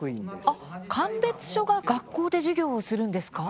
鑑別所が学校で授業をするんですか？